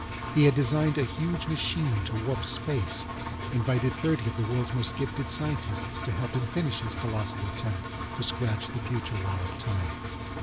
He had designed a huge machine to warp space, invited thirty of the worlds most gifted scientists to help him finish his colossal attempt to scratch the future wall of time.